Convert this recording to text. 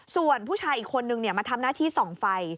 ส่วนผู้ชายอีกคนนึงมาทำหน้าที่ส่องไฟ